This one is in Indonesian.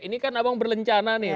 ini kan abang berencana nih